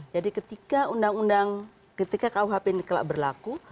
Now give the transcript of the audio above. jadi ketika undang undang ketika rkuhp ini berlaku